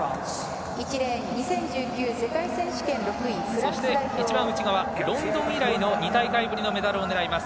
そして、一番内側ロンドン以来の２大会ぶりのメダルを狙います。